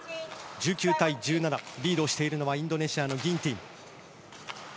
１９対１７リードしているのはインドネシアのギンティン。